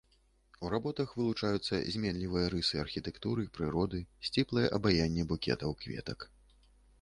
У работах вылучаюцца зменлівыя рысы архітэктуры, прыроды, сціплае абаянне букетаў кветак.